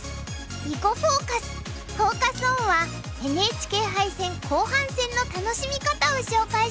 「囲碁フォーカス」フォーカス・オンはＮＨＫ杯戦後半戦の楽しみ方を紹介します。